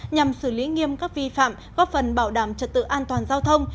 nhằm xử lý nghiêm các vi phạm góp phần bảo đảm trật tự an toàn giao thông